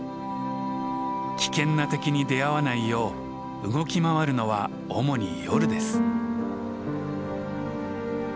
危険な敵に出会わないよう動き回るのは主に夜です。